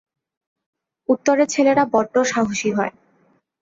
উত্তরের ছেলেরা বড্ড সাহসী হয়।